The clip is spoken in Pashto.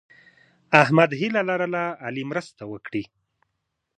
احمد هیله لرله علي مرسته وکړي.